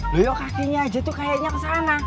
lihat kakinya aja tuh kayaknya ke sana